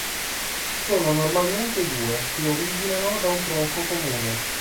Sono normalmente due, che originano da un tronco comune.